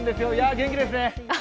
元気ですね。